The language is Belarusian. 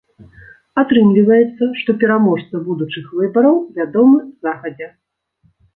Атрымліваецца, што пераможца будучых выбараў вядомы загадзя.